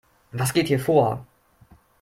Was geht hier vor?